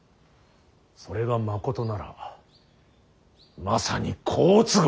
それがまことならばまさに好都合。